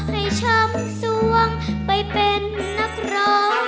ให้ช้ำสวงไปเป็นนักร้อง